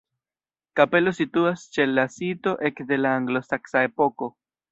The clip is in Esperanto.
Kapelo situis ĉe la sito ekde la anglosaksa epoko.